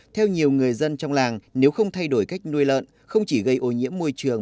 theo nhiều người dân trong làng nếu không thay đổi cách nuôi lợn không chỉ gây ô nhiễm môi trường